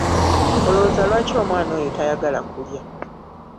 Olowooza lwaki omwana oyo tayagala kulya?